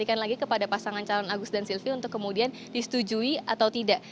diberikan lagi kepada pasangan calon agus dan silvi untuk kemudian disetujui atau tidak